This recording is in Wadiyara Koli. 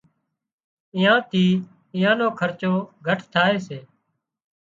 اين ٿي ايئان خرچو گهٽ ٿائي سي